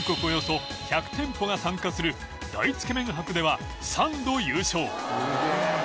およそ１００店舗が参加する大つけ麺博では３度優勝